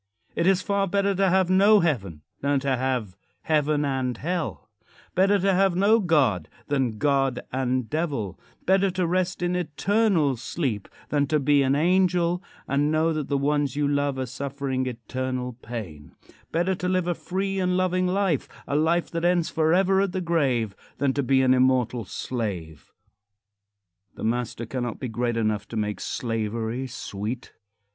It is far better to have no heaven than to have heaven and hell; better to have no God than God and Devil; better to rest iii eternal sleep than to be an angel and know that the ones you love are suffering eternal pain; better to live a free and loving life a life that ends forever at the grave than to be an immortal slave. The master cannot be great enough to make slavery sweet.